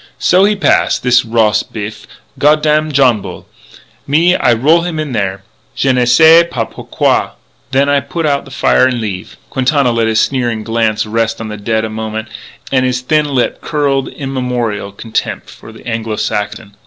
" So he pass, this ros biff goddam Johnbull.... Me, I roll him in there.... Je ne sais pas pourquoi.... Then I put out the fire and leave." Quintana let his sneering glance rest on the dead a moment, and his thin lip curled immemorial contempt for the Anglo Saxon.